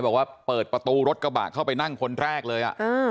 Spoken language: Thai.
บอกว่าเปิดประตูรถกระบะเข้าไปนั่งคนแรกเลย